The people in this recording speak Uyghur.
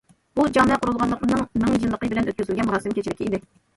بۇ جامە قۇرۇلغانلىقىنىڭ مىڭ يىللىقى بىلەن ئۆتكۈزۈلگەن مۇراسىم كېچىلىكى ئىدى.